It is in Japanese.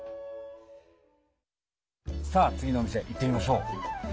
さあ次の店行ってみましょう！